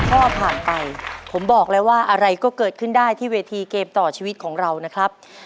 ข้อผ่านไปผมบอกแล้วว่าอะไรก็เกิดขึ้นได้ที่เวทีเกมต่อชีวิตของเรานะครับ